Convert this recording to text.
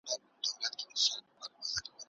دفاع وزارت ترانزیتي لاره نه تړي.